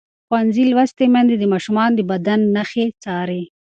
ښوونځې لوستې میندې د ماشومانو د بدن نښې څاري.